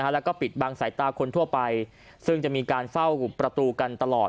แล้วก็ปิดบังสายตาคนทั่วไปซึ่งจะมีการเฝ้าประตูกันตลอด